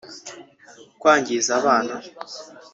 kwangiza abana